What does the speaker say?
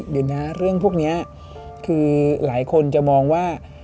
เดี๋ยวนะเรื่องพวกนี้คือหลายคนจะมองว่า